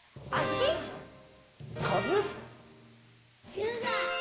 ひゅうが！